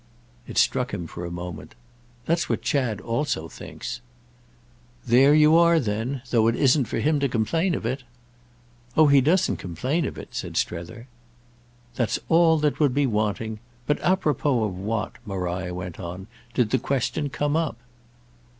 It struck him for a moment. "That's what Chad also thinks." "There you are then—though it isn't for him to complain of it!" "Oh he doesn't complain of it," said Strether. "That's all that would be wanting! But apropos of what," Maria went on, "did the question come up?"